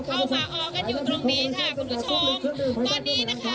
ฝาออกันอยู่ตรงนี้ค่ะคุณผู้ชมตอนนี้นะคะ